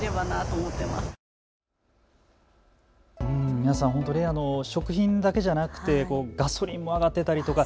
皆さん本当、食品だけじゃなくてガソリンも上がってたりとか